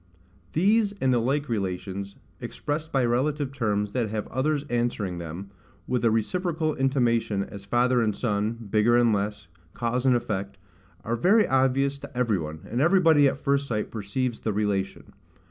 These and the like relations, expressed by relative terms that have others answering them, with a reciprocal intimation, as father and son, bigger and less, cause and effect, are very obvious to every one, and everybody at first sight perceives the relation.